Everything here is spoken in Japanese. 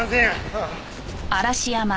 ああ。